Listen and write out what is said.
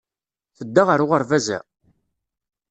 Tedda ɣer ubaraz-a?